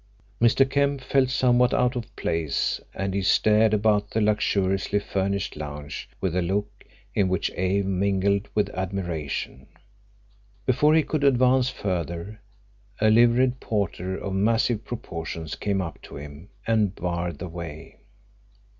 Mr. Kemp felt somewhat out of place, and he stared about the luxuriously furnished lounge with a look in which awe mingled with admiration. Before he could advance further, a liveried porter of massive proportions came up to him and barred the way.